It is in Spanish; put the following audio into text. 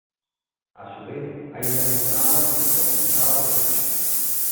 A su vez, hay una mucama que complicaba los hechos.